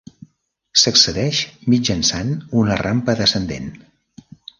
S'accedeix mitjançant una rampa descendent.